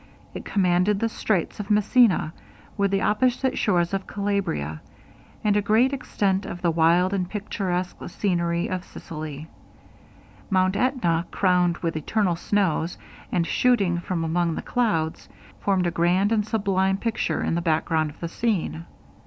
It commanded the straits of Messina, with the opposite shores of Calabria, and a great extent of the wild and picturesque scenery of Sicily. Mount Etna, crowned with eternal snows, and shooting from among the clouds, formed a grand and sublime picture in the background of the scene.